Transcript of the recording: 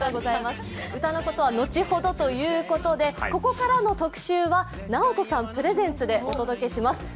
歌のことは後ほどということでここからの特集はナオトさんプレゼンツでお送りします。